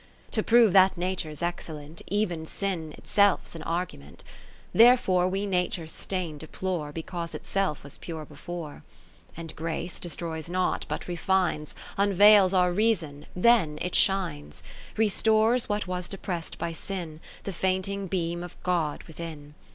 X To prove that Nature 's excellent, Even Sin itself 's an argument : Therefore we Nature's stain deplore, Because itself was pure before. 40 XI And Grace destroys not, but refines, Unveils our Reason, then it shines ; Restores what was depress'd by sin. The fainting beam of God within.